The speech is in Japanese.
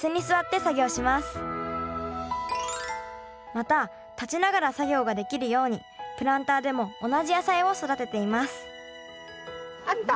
また立ちながら作業ができるようにプランターでも同じ野菜を育てていますあった？